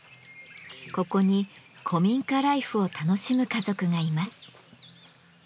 ここに古民家ライフを楽しむ家族がいます。